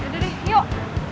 yaudah deh yuk